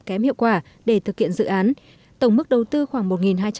kém hiệu quả và tăng giá trị đất nông nghiệp